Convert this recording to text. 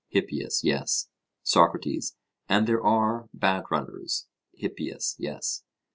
HIPPIAS: Yes. SOCRATES: And there are bad runners? HIPPIAS: Yes.